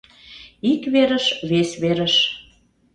Ик верыш, вес верыш.